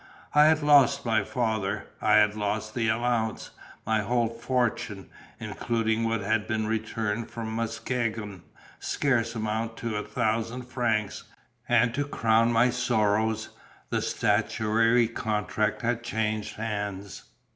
I had lost my father; I had lost the allowance; my whole fortune (including what had been returned from Muskegon) scarce amounted to a thousand francs; and to crown my sorrows, the statuary contract had changed hands.